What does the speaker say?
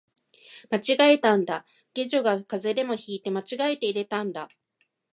間違えたんだ、下女が風邪でも引いて間違えて入れたんだ